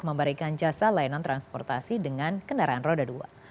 memberikan jasa layanan transportasi dengan kendaraan roda dua